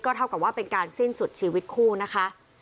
เท่ากับว่าเป็นการสิ้นสุดชีวิตคู่นะคะ